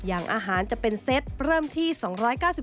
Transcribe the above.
เป็นอย่างไรนั้นติดตามจากรายงานของคุณอัญชาฬีฟรีมั่วครับ